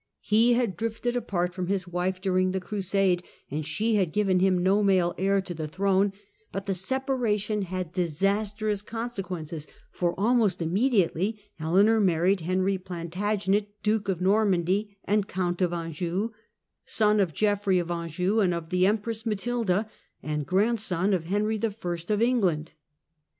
He had ^^^^ drifted apart from his wife during the crusade and she had given him no male heir to the throne, but the separation had disastrous consequences, for almost im mediately Eleanor married Henry Plantagenet, Duke of Marriage Normandy and Count of Anjou, son of Geoffrey of Anjou to Henry and of the Empress Matilda, and grandson of Henry I. of 1152""'°"' England.